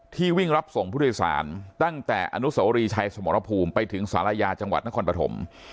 วิ่งรับส่งผู้โดยสารตั้งแต่อนุสวรีชัยสมรภูมิไปถึงศาลายาจังหวัดนครปฐม